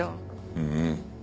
うん。